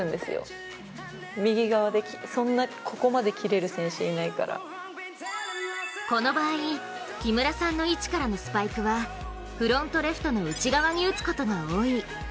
レシーブ後のスパイクはこの場合、木村さんの位置からのスパイクはフロントレフトの内側に打つことが多い。